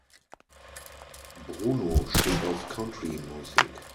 Bruno steht auf Country-Musik.